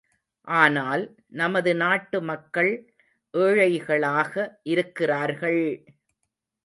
ஆனால், நமது நாட்டு மக்கள் ஏழைகளாக இருக்கிறார்கள்!